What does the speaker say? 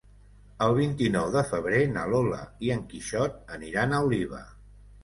El vint-i-nou de febrer na Lola i en Quixot aniran a Oliva.